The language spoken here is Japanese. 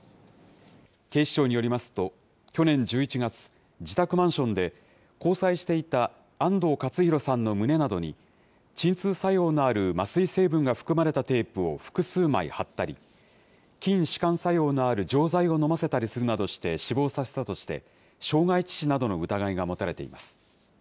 警視庁によりますと、去年１１月、自宅マンションで交際していた安藤勝弘さんの胸などに、鎮痛作用のある麻酔成分が含まれたテープを複数枚貼ったり、筋しかん作用のある錠剤を飲ませたりするなどして死亡させたとして、傷害致死などの疑いが持たれています。